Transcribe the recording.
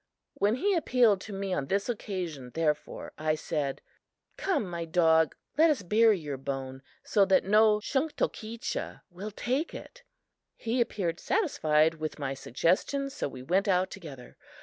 When he appealed to me on this occasion, therefore, I said: "Come, my dog, let us bury your bone so that no Shunktokecha will take it." He appeared satisfied with my suggestion, so we went out together.